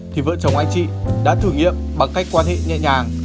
thì vợ chồng anh chị đã thử nghiệm bằng cách quan hệ nhẹ nhàng